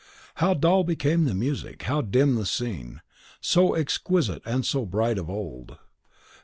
How dull became the music, how dim the scene, so exquisite and so bright of old.